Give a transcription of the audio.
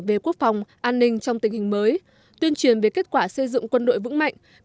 về quốc phòng an ninh trong tình hình mới tuyên truyền về kết quả xây dựng quân đội vững mạnh